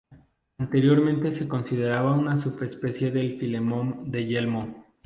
Anteriormente se consideraba una subespecie del filemón de yelmo.